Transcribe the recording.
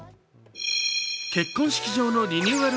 結婚式場のリニューアル